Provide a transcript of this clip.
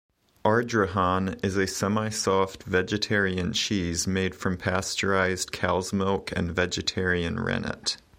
Ardrahan is a semi-soft vegetarian cheese made from pasteurised cow's milk and vegetarian rennet.